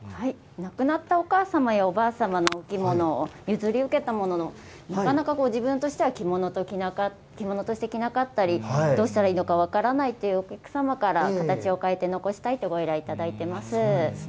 亡くなったお母様やおばあ様のお着物を譲り受けたものの、なかなか自分としては着物として着なかったり、どうしたらいいのか分からないというお客様から、形を変えて残したいとご依頼いただいてます。